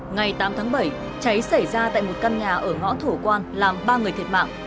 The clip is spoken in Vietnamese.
ngày tám tháng bảy cháy xảy ra tại một căn nhà ở ngõ thổ quan làm ba người thiệt mạng